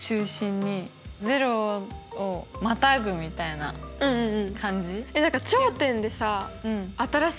０をまたぐみたいな感じ。